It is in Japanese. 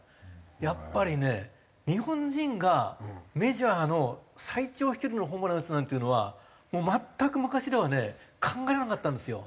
やっぱりね日本人がメジャーの最長飛距離のホームランを打つなんていうのはもう全く昔ではね考えられなかったんですよ。